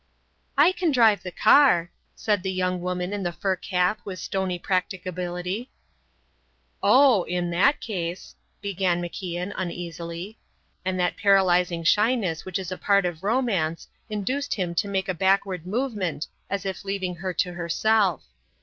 "I can drive the car," said the young woman in the fur cap with stony practicability. "Oh, in that case," began MacIan, uneasily; and that paralysing shyness which is a part of romance induced him to make a backward movement as if leaving her to herself.